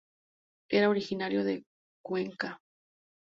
Era originario de Cuenca.